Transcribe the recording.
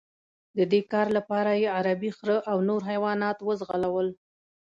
د دې کار لپاره یې عربي خره او نور حیوانات وځغلول.